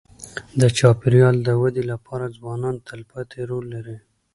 د چاپېریال د ودې لپاره ځوانان تلپاتې رول لري.